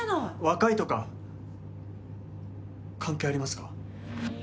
若いとか関係ありますか。